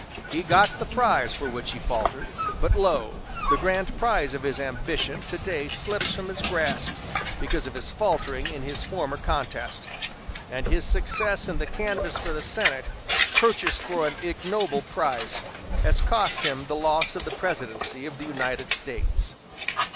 He got the prize for which he faltered; but, lo! the grand prize of his ambition to day slips from his grasp, because of his faltering in his former contest, and his success in the canvass for the Senate, purchased for an ignoble price, has cost him the loss of the presidency of the United States."